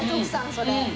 それ。